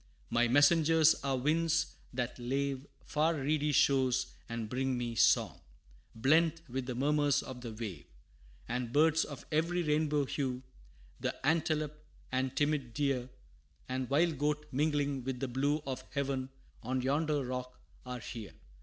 My messengers are winds that lave Far reedy shores, and bring me song, Blent with the murmurs of the wave. And birds of every rainbow hue, The antelope, and timid deer, The wild goat mingling with the blue Of heaven on yonder rock, are here.